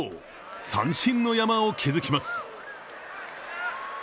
三振の山を築きます。